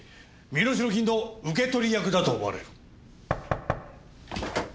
身代金の受け取り役だと思われる。